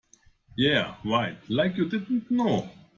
Yeah, right, like you didn't know!